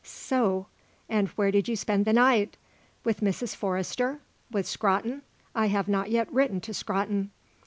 So? And where did you spend the night? With Mrs. Forrester? With Scrotton? I have not yet written to Scrotton."